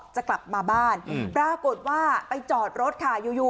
จะกลับมาบ้านปรากฏว่าไปจอดรถค่ะอยู่